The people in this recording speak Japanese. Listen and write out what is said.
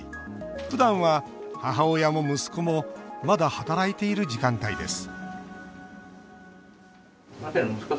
ふだんは母親も息子もまだ働いている時間帯です